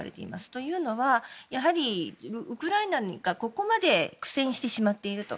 というのは、やはりウクライナがここまで苦戦してしまっていると。